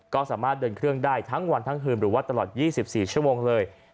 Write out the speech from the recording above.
ก็สามารถเดินเครื่องได้ทั้งวันทั้งคืนหรือว่าตลอด๒๔ชั่วโมงเลย